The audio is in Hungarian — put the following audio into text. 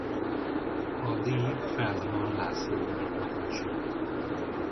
A díj Feldman László alkotása.